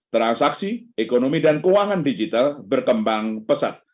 transaksi ekonomi dan keuangan digital berkembang pesat